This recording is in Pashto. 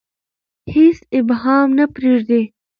هیڅ ابهام نه پریږدي.